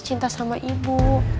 cinta sama ibu